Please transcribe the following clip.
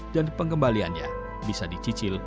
dan pengembaliannya bisa dicicil